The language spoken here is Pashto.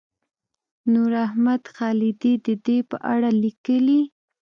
نوراحمد خالدي د دې په اړه لیکلي.